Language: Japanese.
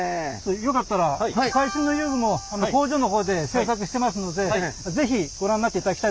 よかったら最新の遊具も工場の方で製作してますので是非ご覧になっていただきたいと思います。